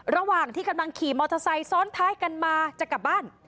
ระหว่างที่กำลังขี่มอเตอร์ไซค์ซ้อนท้ายกันมาจะกลับบ้าน